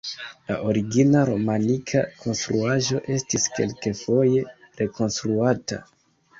La origina romanika konstruaĵo estis kelkfoje rekonstruata.